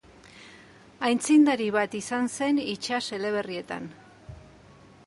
Aitzindari bat izan zen itsas eleberrietan.